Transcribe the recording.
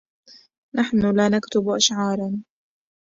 نحن لا نكتب أشعاراً،